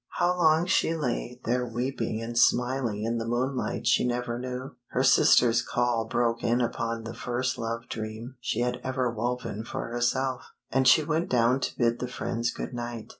How long she lay there weeping and smiling in the moonlight she never knew. Her sister's call broke in upon the first love dream she had ever woven for herself, and she went down to bid the friends good night.